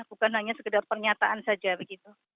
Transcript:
bukan hanya sekedar pernyataan saja begitu